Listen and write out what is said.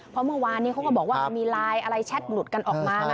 เพราะเมื่อวานนี้เขาก็บอกว่ามันมีไลน์อะไรแชทหลุดกันออกมานะ